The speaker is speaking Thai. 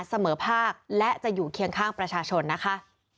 เสมอภาคและจะอยู่เคียงข้างประชาชนนะคะ